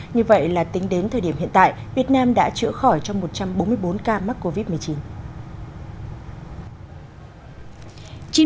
như vậy là tính đến thời điểm hiện tại việt nam đã chữa khỏi trong một trăm bốn mươi bốn ca mắc covid một mươi chín